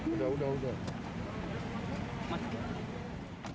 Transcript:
udah udah udah